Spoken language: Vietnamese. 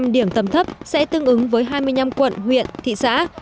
hai mươi năm điểm tầm thấp sẽ tương ứng với hai mươi năm quận huyện thị xã